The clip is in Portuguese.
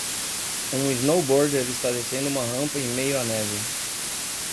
Um snowboarder está descendo uma rampa em meio a neve.